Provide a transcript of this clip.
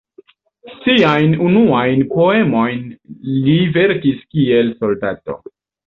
Siajn unuajn poemojn li verkis kiel soldato.